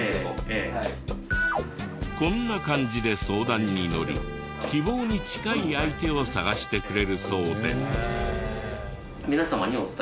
こんな感じで相談に乗り希望に近い相手を探してくれるそうで。